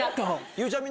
ゆうちゃみ